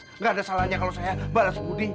tidak ada salahnya kalau saya balas budi